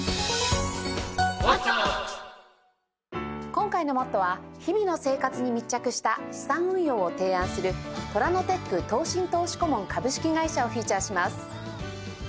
今回の『ＭＯＴＴＯ！！』は日々の生活に密着した資産運用を提案するＴＯＲＡＮＯＴＥＣ投信投資顧問株式会社をフィーチャーします。